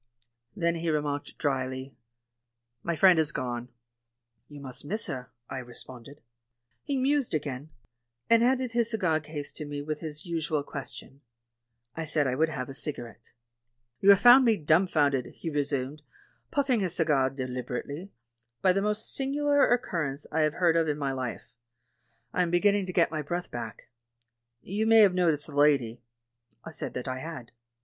Then he remarked drily, "My friend has gone." "You must miss her," I responded. He mused again, and handed his cigar case to me with his usual question. I said I would havfe a cigarette. "You found me dumfounded," he resumed, puffing his cigar deliberately, "by the most singu lar occurrence I have heard of in my life; I am beginning to get my breath back. You may have noticed the lady?" I said that I had.